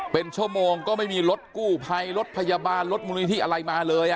เป็นชั่วโมงก็ไม่มีรถกู้ภัยรถพยาบาลรถมูลนิธิอะไรมาเลย